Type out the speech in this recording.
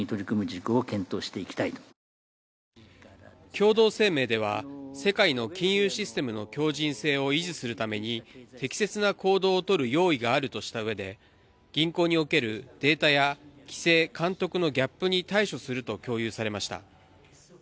共同声明では世界の金融システムの強じん性を維持するために適切な行動を取る用意があるとしたうえで銀行におけるデータや規制・監督のギャップに対処すると共有されました。